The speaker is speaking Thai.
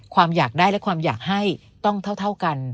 ความอยากได้และความอยากให้ต้องเท่ากัน